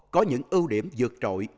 có những ưu điểm vượt trội